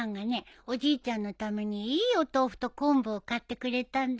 おじいちゃんのためにいいお豆腐と昆布を買ってくれたんだよ。